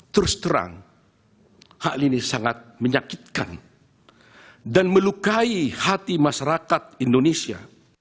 terus terang hal ini sangat menyakitkan dan melukai hati masyarakat indonesia